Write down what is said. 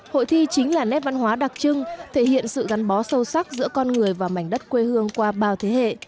hội thi chính là nét văn hóa đặc trưng thể hiện sự gắn bó sâu sắc giữa con người và mảnh đất quê hương qua bao thế hệ